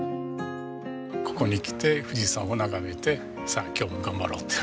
ここに来て富士山を眺めてさあ今日も頑張ろうって。